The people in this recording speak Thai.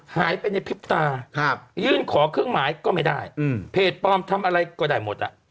หายไปในพริบตายื่นขอเครื่องหมายก็ไม่ได้เพจปลอมทำอะไรก็ได้หมดอ่ะ